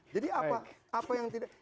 jadi apa yang tidak